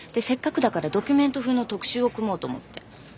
せっかくだからドキュメント風の特集を組もうと思って。